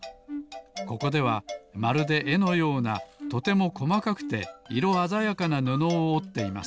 ここではまるでえのようなとてもこまかくていろあざやかなぬのをおっています。